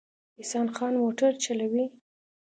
احسان خان موټر چلوي